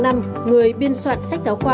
người biên soạn sách giáo khoa